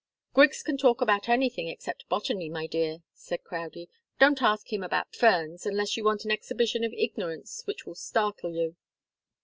"Griggs can talk about anything except botany, my dear," said Crowdie. "Don't ask him about ferns, unless you want an exhibition of ignorance which will startle you."